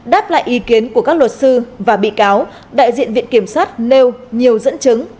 đáp lại ý kiến của các luật sư và bị cáo đại diện viện kiểm sát nêu nhiều dẫn chứng